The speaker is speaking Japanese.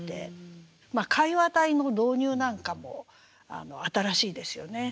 まあ会話体の導入なんかも新しいですよね。